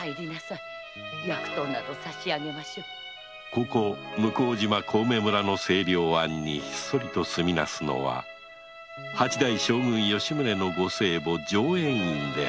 ここ向島小梅村の清涼庵にひっそりと住みなすのは八代将軍・吉宗の御生母・浄円院だった